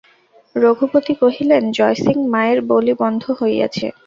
রঘুপতি কহিলেন, জয়সিং, মায়ের বলি বন্ধ হইয়াছে।